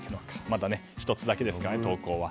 まだ１つだけですから投稿は。